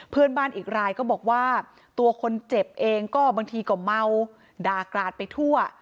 เพื่อนบ้านอีกรายก็บอกว่าตัวคนเจ็บเองก็บางทีก็เมาด่ากราดไปทั่ว